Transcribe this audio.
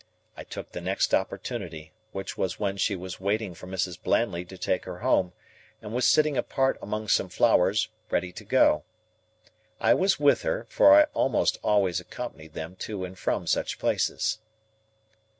I took the next opportunity; which was when she was waiting for Mrs. Blandley to take her home, and was sitting apart among some flowers, ready to go. I was with her, for I almost always accompanied them to and from such places.